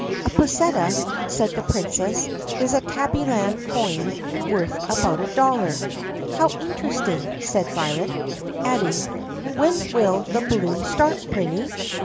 "A pusseta," said the Princess, "is a Tabbyland coin worth about a dollar." "How interesting," said Violet, adding, "When will the balloon start, Prinny?"